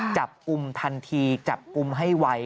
จับกลุ่มทันทีจับกลุ่มให้ไว